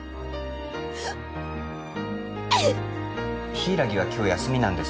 柊は今日休みなんです。